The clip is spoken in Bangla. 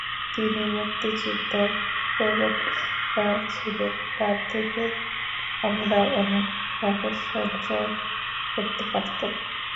তিনি মুক্তচিন্তার প্রবক্তা ছিলেন—তার থেকে আমরা অনেক সাহস সঞ্চয় করতে পারতাম।